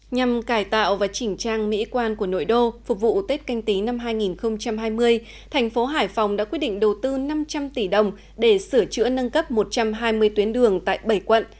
nhằm cải tạo và chỉnh trang mỹ quan của nội đô phục vụ tết canh tí năm hai nghìn hai mươi thành phố hải phòng đã quyết định đầu tư năm trăm linh tỷ đồng để sửa chữa nâng cấp một trăm hai mươi tuyến đường tại bảy quận